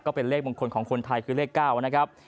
เป็นเลขมงคลของคนไทยคือเลข๙นะครับ